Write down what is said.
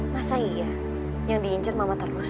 masa iya yang diincer mama terus